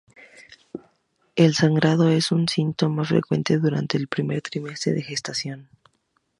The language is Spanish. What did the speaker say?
El sangrado es un síntoma frecuente durante el primer trimestre de gestación.